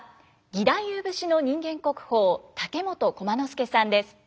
義太夫節の人間国宝竹本駒之助さんです。